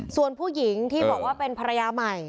ส่วนผู้หญิงที่บอกว่าเป็นภรรยาใหม่